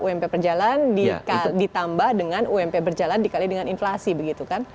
ump berjalan ditambah dengan ump berjalan dikali dengan inflasi begitu kan